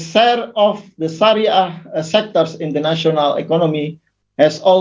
pembuatan dari sektor sariah di ekonomi nasional